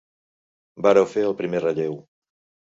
Vàreu fer el primer relleu.